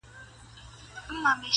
زما ژوندون د ده له لاسه په عذاب دی.!